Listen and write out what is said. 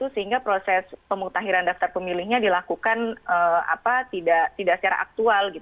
sehingga proses pemutahiran daftar pemilihnya dilakukan tidak secara aktual